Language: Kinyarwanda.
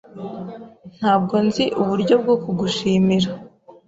Ntabwo nzi uburyo bwo kugushimira.